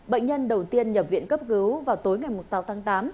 bệnh nhân đầu tiên nhập viện cấp cứu vào tối ngày sáu tháng tám